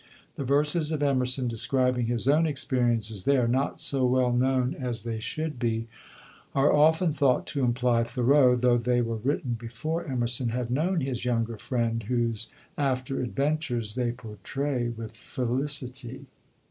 The verses of Emerson, describing his own experiences there (not so well known as they should be), are often thought to imply Thoreau, though they were written before Emerson had known his younger friend, whose after adventures they portray with felicity.